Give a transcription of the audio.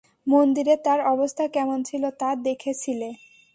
মন্দিরে তার অবস্থা কেমন ছিল তা দেখেছিলে?